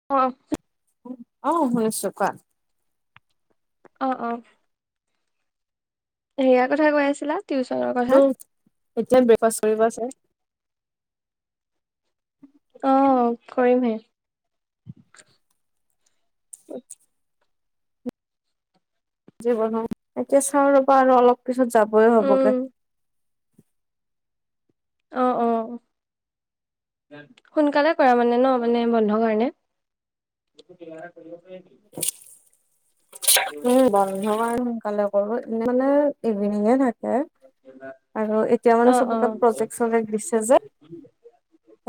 [unintelligible] অ', হৈ আছোঁ কোৱা। অ', অ'। হেয়া কথাই কৈ আছিলা, টিউচনৰ টো কথা। এতিয়া ব্ৰেকফাষ্ট কৰিব আছে। অ, কৰিমহে। যি বনাও, এতিয়া চাওঁ ৰ'বা আৰু অলপ পিছত যাবই উম হ'বগে। [inaudible] জ্ঞান, সোনকালে কৰা মানে ন-মানে-বন্ধ কাৰণে। এটো কিবা এটা কৰি আছে। উম বন বন্ধবাৰত সোনকালে কৰো এনে মানে, ইভিনিঙে থাকে। আৰু এতিয়া মানে অ অ চবকে প্ৰজেক-চজেক দিছে যে।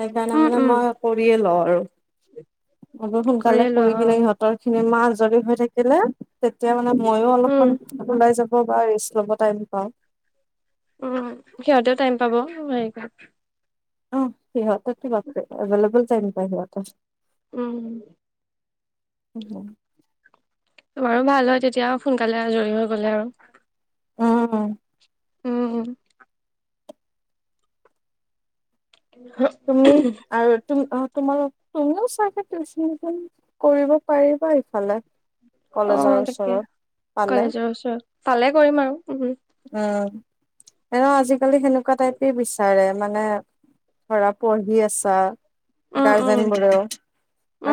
সেইকাৰণে উম মানে উম মই কৰিয়ে লওঁ আৰু। কৰিয়ে [unintelligible] লোৱা কৰি কিনে অ ইহঁতৰ খিনে মাৰ আজৰি হৈ থাকিলে, তেতিয়া মানে মইয়ো উম অলপমান, ওলাই যাব বা ৰেষ্ট ল'ব টাইম পাও। উম, সিহঁতেও টাইম পাব হেইকাৰণ অহ, সিহঁতেতো বাপৰে-বা জ্বলাবল টাইম পাই সিহঁতে। উম। উম, মম। তোমাৰো ভাল হয় তেতিয়া সোনকালে আজৰি হৈ গ'লে আৰু। উম, উম। উম, উম। [unintelligible] তুমি, আৰু তুমি অ' তোমালোক তুমিও চাগে টিউচনখন, কৰিব পাৰিবা ইফালে। কলেজৰ অ' তাকে, ওচৰত পালে কলেজৰ ওচৰত, ফালে কৰিম আৰু উম। উম, এনেও আজিকালি সেনেকুৱা টাইপেই বিচাৰে মানে ধৰা পঢ়ি আছা, উম গাৰ্জেন উম বোৰেও,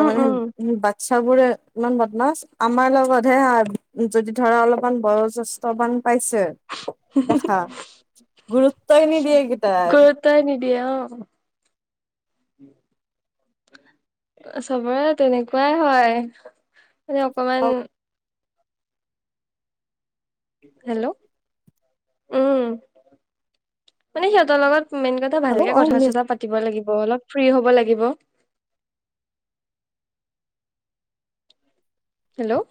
আৰু উম মানেহেম বাত্ চাবোৰে, ইমান বদমাছ। আমাৰ লগত হে আৰ, যদি ধৰা অলপমান বয়জ্যেষ্ঠবান পাইছে। দেখা, গুৰুত্বই নিদিয়ে একেইটাই। ত্বই নিদিয়ে অ'। চবৰে তেনেকুৱাই হয়, মানে অকমান হেল্ল', উম, মানে সিহতৰ লগত মেইন কত তই হেল্ল' ভালকে অ শুনি কথা-চথা পাতিব লাগিব অলপ ফ্ৰী হ'ব লাগিব। হেল্ল'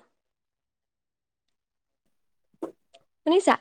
শুনিছা?